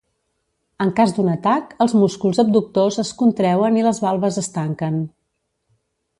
En cas d'un atac, els músculs abductors es contreuen i les valves es tanquen.